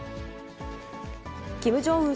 キム・ジョンウン